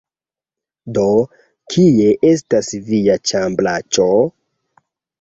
Do, kie estas via ĉambraĉo?